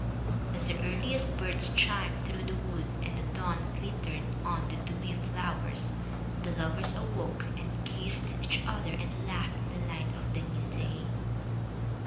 As the earliest birds chimed through the wood, and the dawn glittered on the dewy flowers, the lovers awoke and kissed each other and laughed in the light of the new day.